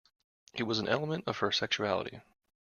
It was an element of her sexuality.